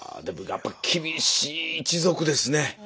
でもやっぱり厳しい一族ですね。